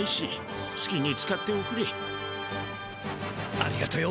ありがとよ